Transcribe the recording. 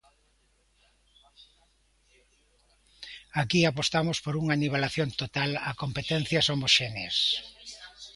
Aquí apostamos por unha nivelación total a competencias homoxéneas.